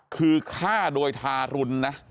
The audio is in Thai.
คือฆ่าโดยทารุณนะ